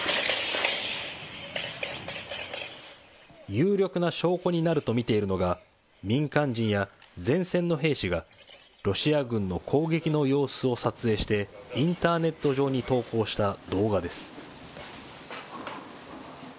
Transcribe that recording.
有力な証拠になると見ているのが、民間人や前線の兵士が、ロシア軍の攻撃の様子を撮影して、インターネット上に投稿した動画です。